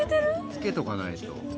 つけとかないと。